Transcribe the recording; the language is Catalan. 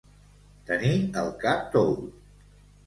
Tenir el cap tou.